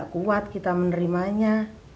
kita kuat kita menerimanya